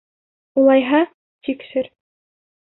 Улайһа, тикшер.